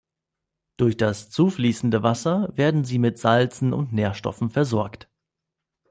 Durch das zufließende Wasser werden sie mit Salzen und Nährstoffen versorgt.